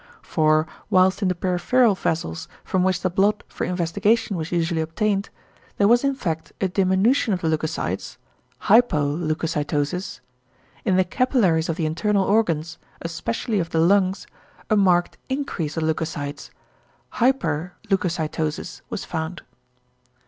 For whilst in the peripheral vessels from which the blood for investigation was usually obtained, there was in fact a diminution of the leucocytes, "=hypoleucocytosis=," in the capillaries of the internal organs, especially of the lungs, a marked increase of the leucocytes, "=hyperleucocytosis=," was found.